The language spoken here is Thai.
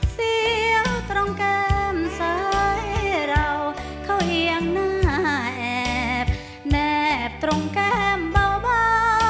เสียวตรงแก้มซ้ายเราเข้าเอียงหน้าแอบแนบตรงแก้มเบา